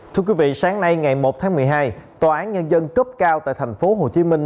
thưa quý vị sáng nay ngày một tháng một mươi hai tòa án nhân dân cấp cao tại thành phố hồ chí minh